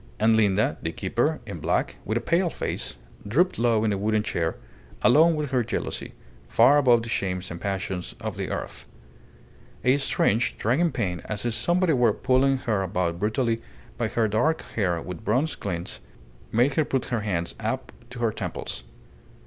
And Linda, the keeper, in black, with a pale face, drooped low in a wooden chair, alone with her jealousy, far above the shames and passions of the earth. A strange, dragging pain as if somebody were pulling her about brutally by her dark hair with bronze glints, made her put her hands up to her temples.